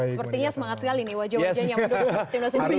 sepertinya semangat sekali nih wajah wajahnya timnas indonesia ya